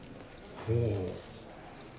ほう。